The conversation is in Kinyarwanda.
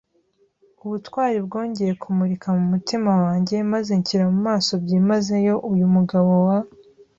ubutwari bwongeye kumurika mu mutima wanjye maze nshyira mu maso byimazeyo uyu mugabo wa